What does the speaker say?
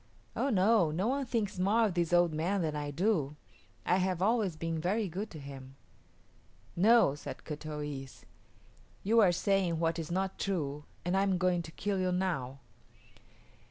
"Oh no; no one thinks more of this old man than I do. I have always been very good to him." "No," said Kut o yis´. "You are saying what is not true, and I am going to kill you now."